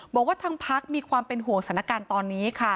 บอกว่าทางพักมีความเป็นห่วงสถานการณ์ตอนนี้ค่ะ